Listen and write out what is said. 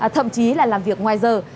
thậm chí là làm việc ngoài giờ